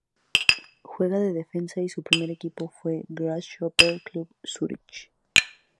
Juega de defensa y su primer equipo fue Grasshopper-Club Zürich.